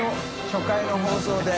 初回の放送で。